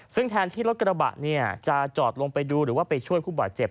ซึ่งแทนที่รถกระบะจะจอดลงไปดูหรือว่าไปช่วยผู้บาดเจ็บ